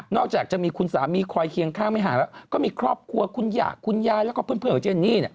จากจะมีคุณสามีคอยเคียงข้างไม่ห่างแล้วก็มีครอบครัวคุณหย่าคุณยายแล้วก็เพื่อนของเจนนี่เนี่ย